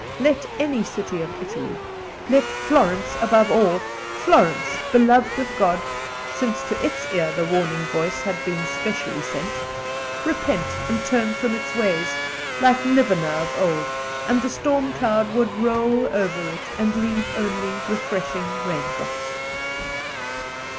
Let any city of Italy, let Florence above all—Florence beloved of God, since to its ear the warning voice had been specially sent—repent and turn from its ways, like Nineveh of old, and the storm cloud would roll over it and leave only refreshing raindrops.